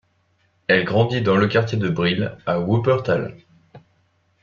Elle grandit dans le quartier de Brill à Wuppertal.